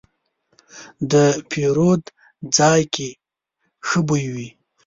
د پیرود ځای کې ښه بوی و.